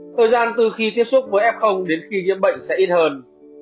thời gian từ khi tiếp xúc với f đến khi nhiễm bệnh sẽ ít hơn